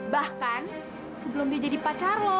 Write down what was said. bahkan sebelum dia jadi pacar lo